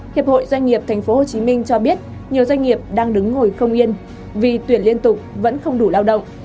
hiệp hội doanh nghiệp tp hcm cho biết nhiều doanh nghiệp đang đứng ngồi không yên vì tuyển liên tục vẫn không đủ lao động